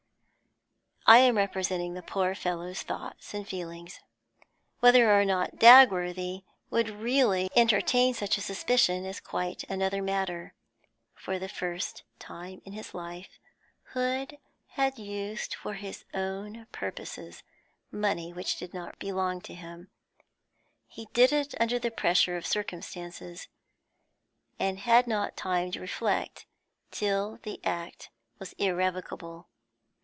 I am representing the poor fellow's thoughts and feelings. Whether or not Dagworthy would really entertain such a suspicion is quite another matter. For the first time in his life, Hood had used for his own purposes money which did not belong to him; he did it under the pressure of circumstances, and had not time to reflect till the act was irrevocable.